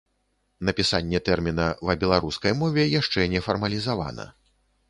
Напісанне тэрміна ва беларускай мове яшчэ не фармалізавана.